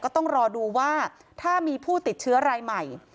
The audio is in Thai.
ต้องรอดูว่าถ้ามีผู้ติดเชื้อรายใหม่